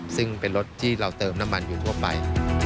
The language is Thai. ซึ่งเป็นรถที่เราเติมน้ำมันอยู่ทั่วไป